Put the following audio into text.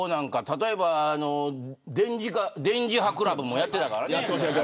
例えば、電磁波クラブもやってたからね。